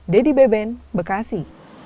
dedy beben bekasi